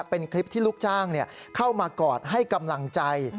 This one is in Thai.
เป็นคลิปที่ลูกจ้างเข้ามากอดให้กำลังใจ